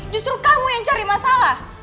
justru kamu yang cari masalah